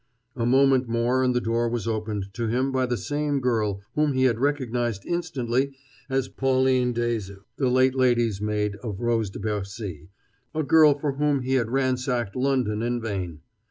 A moment more and the door was opened to him by the same girl, whom he had recognized instantly as Pauline Dessaulx, the late lady's maid of Rose de Bercy a girl for whom he had ransacked London in vain.